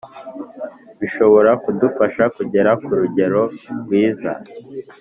bishobora kudufasha kugera k’ Urugero rwiza